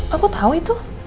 aku tau itu